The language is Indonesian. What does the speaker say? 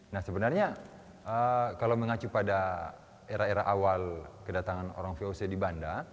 nah sebenarnya kalau mengacu pada era era awal kedatangan orang voc di banda